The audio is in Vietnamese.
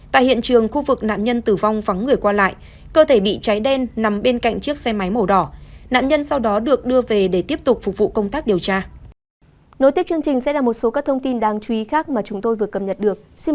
tại hiện trường khu vực nạn nhân tử vong vắng người qua lại cơ thể bị cháy đen nằm bên cạnh chiếc xe máy màu đỏ